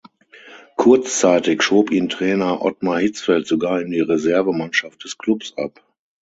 Kurzzeitig schob ihn Trainer Ottmar Hitzfeld sogar in die Reservemannschaft des Klubs ab.